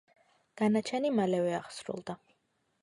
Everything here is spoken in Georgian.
განაჩენი მალევე აღსრულდა.